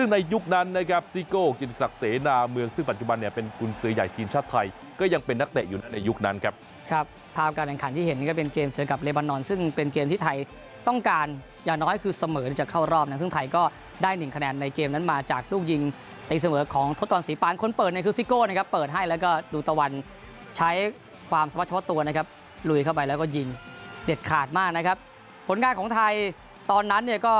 ในยุคนั้นครับครับภาพการแห่งขันที่เห็นก็เป็นเกมเจอกับเรบานอนซึ่งเป็นเกมที่ไทยต้องการอย่างน้อยคือเสมอจะเข้ารอบนะซึ่งไทยก็ได้หนึ่งคะแนนในเกมนั้นมาจากลูกยิงในเสมอของทศตวรรษศรีปานคนเปิดในซิโก้นะครับเปิดให้แล้วก็ดูตะวันใช้ความสมัครเฉพาะตัวนะครับลุยเข้าไปแล้วก็ยิงเด็ดขาดมากนะครับ